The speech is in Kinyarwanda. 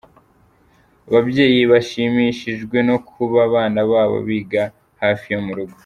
Ababyeyi bashimishijwe no kuba abana babo biga hafi yo mu rugo .